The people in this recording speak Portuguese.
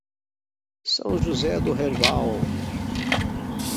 São José do Herval